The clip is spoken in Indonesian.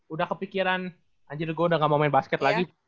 udah kepikiran anjir gue udah gak mau main basket lagi